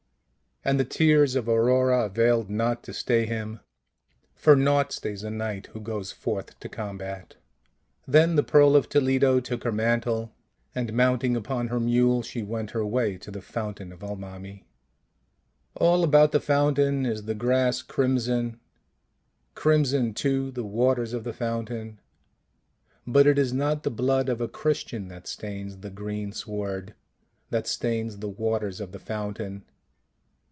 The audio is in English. And the tears of Aurora availed not to stay him; for naught stays a knight who goes forth to combat. Then the Pearl of Toledo took her mantle, and mounting upon her mule she went her way to the fountain of Almami. All about the fountain is the grass crimson, THE PEARL OF TOLEDO 95 crimson too the waters of the fountain; but it is not the blood of a Christian that stains the green sward, that stains the waters of the foun tain.